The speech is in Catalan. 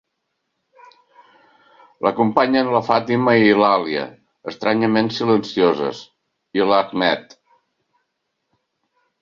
L'acompanyen la Fàtima i l'Àlia, estranyament silencioses, i l'Ahmed.